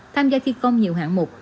tham gia thi công nhiều hạng mục